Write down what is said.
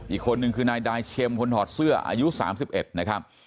อีกคนนึงคือนายดายเชียมคนถอดเสื้ออายุ๓๑นะครับ